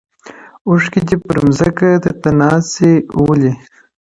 • اوښکي دي پر مځکه درته ناڅي ولي؛